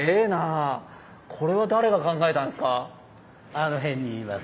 あのへんにいます。